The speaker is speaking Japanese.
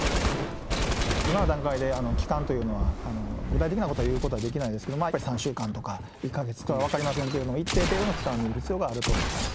今の段階で期間というのは、具体的なことは言うことはできないですけど、やっぱり３週間とか、１か月とか、分かりませんけれども、一定程度の期間を見る必要があると。